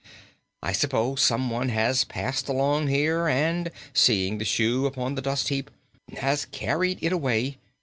I suppose someone has passed along here and, seeing the shoe upon the dust heap, has carried it away.